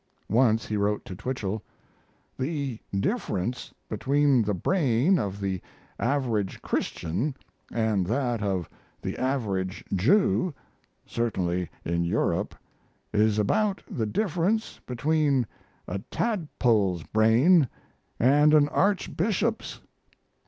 Once he wrote to Twichell: The difference between the brain of the average Christian and that of the average Jew certainly in Europe is about the difference between a tadpole's brain & an archbishop's.